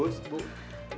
bu wati sama ibu sri